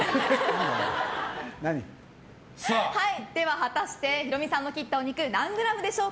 果たしてヒロミさんの切ったお肉何グラムでしょうか。